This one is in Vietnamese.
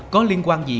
có liên quan gì